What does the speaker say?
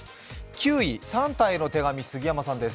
９位、サンタへの手紙、杉山さんです